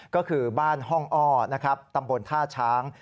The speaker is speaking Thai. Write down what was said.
ก็คือบ้านห้องอ้อตำบลท่าช้าง